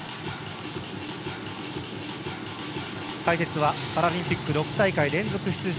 解説はパラリンピック６大会連続出場